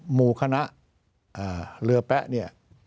หมู่คณะเรือแป๊ะเนี่ย